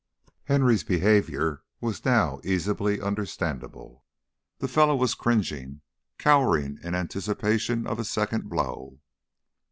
Henry's behavior was now easily understandable; the fellow was cringing, cowering in anticipation of a second blow.